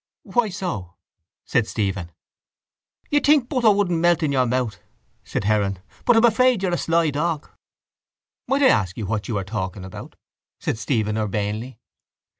—Why so? said Stephen. —You'd think butter wouldn't melt in your mouth, said Heron. But I'm afraid you're a sly dog. —Might I ask you what you are talking about? said Stephen urbanely.